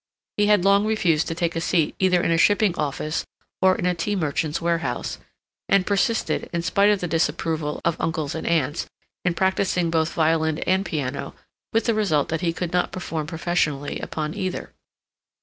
He had long refused to take a seat either in a shipping office or in a tea merchant's warehouse; and persisted, in spite of the disapproval of uncles and aunts, in practicing both violin and piano, with the result that he could not perform professionally upon either.